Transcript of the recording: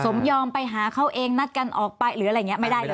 สมยอมไปหาเขาเองนัดกันออกไปหรืออะไรอย่างนี้ไม่ได้เลย